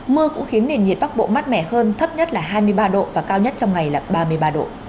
mưa cũng khiến nền nhiệt bắc bộ mát mẻ hơn thấp nhất là hai mươi ba độ và cao nhất trong ngày là ba mươi ba độ